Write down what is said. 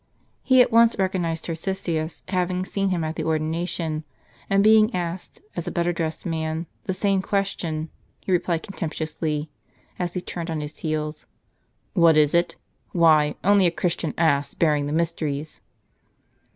He at once recognized Tarcisius, hav ing seen him at the Ordination ; and being asked, as a better dressed man, the same question, he replied contemptuously, as he turned on his heel, "What is it? Why, only a Christian ass, bearing the mysteries."